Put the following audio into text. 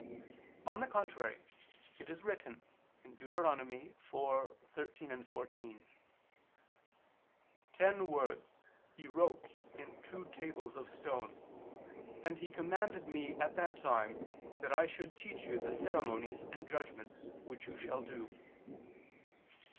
On the contrary, It is written (Deut. 4:13, 14): "Ten words ... He wrote in two tables of stone; and He commanded me at that time that I should teach you the ceremonies and judgments which you shall do."